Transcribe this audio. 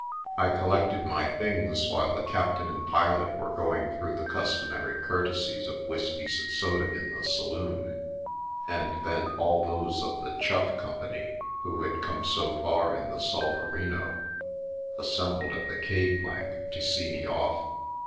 i I collected my things while the captain and pilot w going through the customary courtesies of whiskies < soda in the saloon, and then all those of the Choug company, who had come so far in the Solferino, assc bled at the quay plank to see me off.